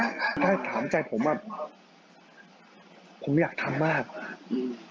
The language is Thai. ถ้าถามใจผมอ่ะผมอยากทำมากอืม